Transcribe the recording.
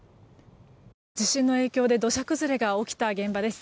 地震の影響で土砂崩れが起きた現場です。